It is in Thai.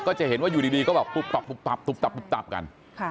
จะเห็นว่าอยู่ดีก็แบบปุ๊บปับตุ๊บตับกัน